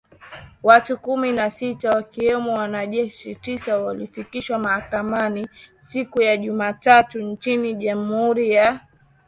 Watu kumi na sita wakiwemo wanajeshi tisa walifikishwa mahakamani siku ya Jumatatu nchini Jamhuri ya Kidemokrasi ya Kongo